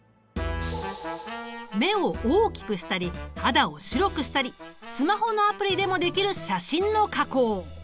目を大きくしたり肌を白くしたりスマホのアプリでもできる写真の加工。